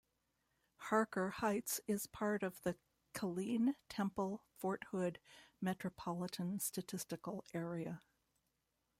Harker Heights is part of the Killeen-Temple-Fort Hood Metropolitan Statistical Area.